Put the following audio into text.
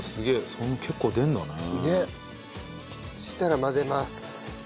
そしたら混ぜます。